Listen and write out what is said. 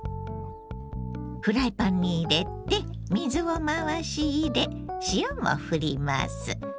フライパンに入れて水を回し入れ塩もふります。